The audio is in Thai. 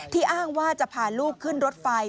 อ้างว่าจะพาลูกขึ้นรถไฟ